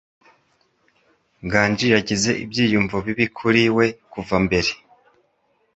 Nganji yagize ibyiyumvo bibi kuri we kuva mbere.